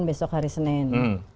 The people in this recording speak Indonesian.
besok hari senin